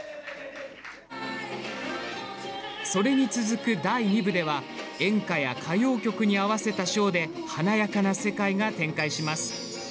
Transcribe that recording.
それに続く第２部では演歌や歌謡曲に合わせたショーで華やかな世界が展開します。